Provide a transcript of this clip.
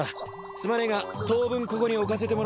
すまねえが当分ここに置かせてもらうぜ。